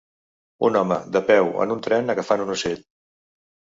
Un home de peu a un tren agafant un ocell.